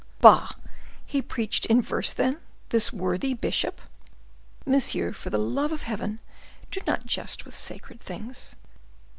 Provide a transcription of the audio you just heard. "Bah! he preached in verse, then, this worthy bishop?" "Monsieur, for the love of heaven, do not jest with sacred things."